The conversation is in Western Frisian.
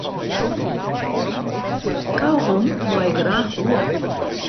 Kaugom mei ik graach oer.